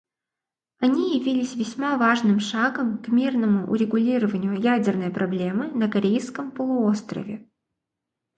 Они явились весьма важным шагом к мирному урегулированию ядерной проблемы на Корейском полуострове.